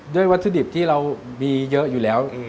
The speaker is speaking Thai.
วัตถุดิบที่เรามีเยอะอยู่แล้ว